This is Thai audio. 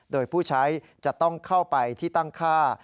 โดยผู้ใช้จะต้องเข้าไปที่ตั้งค่า